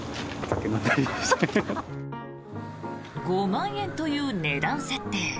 ５万円という値段設定。